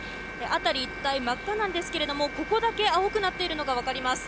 辺り一帯真っ赤なんですがここだけ青くなっているのが分かります。